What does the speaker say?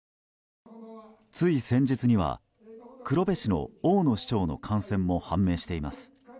つい先日には黒部市の大野市長の感染も判明しています。